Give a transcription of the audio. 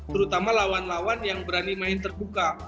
terutama lawan lawan yang berani main terbuka